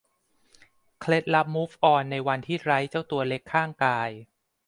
เคล็ดลับมูฟออนในวันที่ไร้เจ้าตัวเล็กข้างกาย